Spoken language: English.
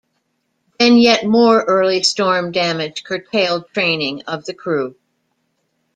Then yet more early storm damage curtailed training of the crew.